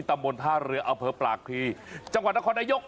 ตำบลท่าเรืออเผลอปากภีร์จังหวัดนครได้ยก